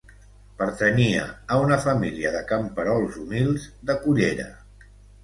Pertanyia a una família de camperols humils de Cullera.